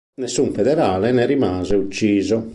Nessun federale ne rimase ucciso.